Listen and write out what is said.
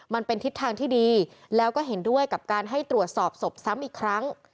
มันเป็นทิศทางที่ดีแล้วก็เห็นด้วยกับการให้ตรวจสอบศพซ้ำอีกครั้ง